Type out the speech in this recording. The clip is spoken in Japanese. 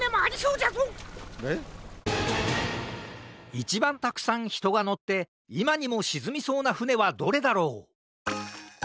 いちばんたくさんひとがのっていまにもしずみそうなふねはどれだろう？